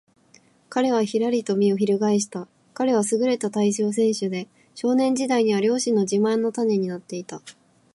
彼はひらりと身をひるがえした。彼はすぐれた体操選手で、少年時代には両親の自慢の種になっていた。